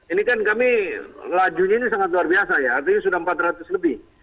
ini kan kami lajunya ini sangat luar biasa ya artinya sudah empat ratus lebih